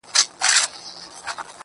گرانه په دغه سي حشر كي جــادو.